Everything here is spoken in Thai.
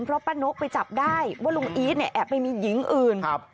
เพราะป้านกไปจับได้ว่าลุงอีทเนี่ยแอบไปมีหญิงอื่นครับ